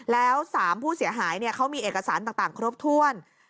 แล้ว๓ผู้เสียหายเขามีเอกสารต่างครบถ้วน